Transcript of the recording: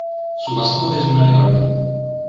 Su mascota es una leona.